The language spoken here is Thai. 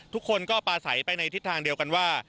ทุกคนก็ปลาใสไปในทิศทางเดียวกันว่า